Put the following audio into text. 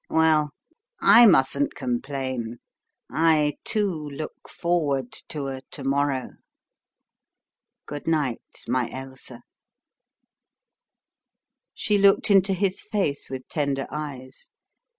" Well, I mustn't complain. I, too, look forward to a to morrow. Good night, my Ailsa." She looked into his face with tender eyes.